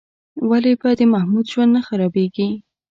ولې به د محمود ژوند نه خرابېږي؟